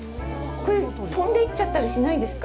これ、飛んでいっちゃったりしないですか？